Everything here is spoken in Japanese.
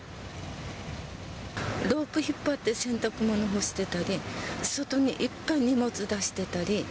ロープ引っ張って洗濯物干してたり、外にいっぱい荷物出してたり。